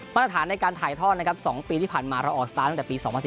มาตรฐานในการถ่ายทอดนะครับ๒ปีที่ผ่านมาเราออกสตาร์ทตั้งแต่ปี๒๐๑๙